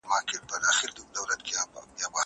د دغي کیسې پای د مننې په توري ختم سو.